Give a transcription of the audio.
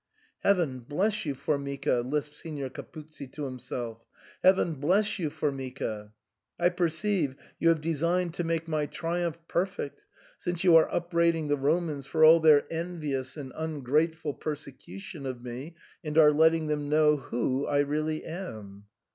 " Heaven bless you, Formica !" lisped Signor Cap uzzi to himself ;" Heaven bless you, Formica ! I per ceive you have designed to make my triumph perfect, since you are upbraiding the Romans for all their en vious and ungrateful persecution of me, and are letting them know who I really am."